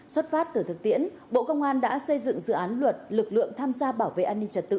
xuất phát từ thực tiễn bộ công an đã xây dựng dự án luật lực lượng tham gia bảo vệ an ninh trật tự